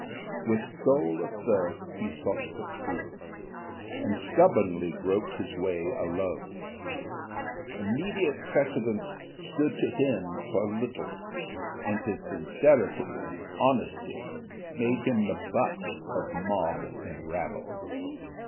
With soul athirst he sought for truth, and stubbornly groped his way alone. Immediate precedent stood to him for little, and his sincerity and honesty made him the butt of mob and rabble.